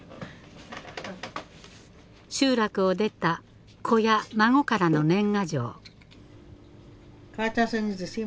集落を出た子や孫からの年賀状。